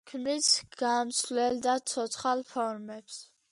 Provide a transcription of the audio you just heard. ქმნის გამსვლელ და ცოცხალ ფორმებს.